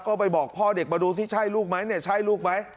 ก็ไปบอกพ่อเด็กมาดูสิใช่ลูกไหมเนี่ยใช่ลูกไหม